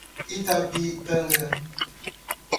Itapitanga